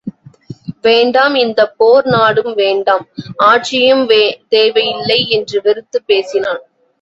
வேண்டாம் இந்தப் போர் நாடும் வேண்டாம் ஆட்சியும் தேவை இல்லை என்று வெறுத்துப் பேசினான்.